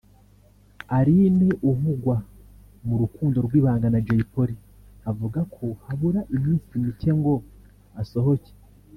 Aline uvugwa mu rukundo rw’ibanga na Jay Polly avuga ko habura iminsi mike ngo asohoke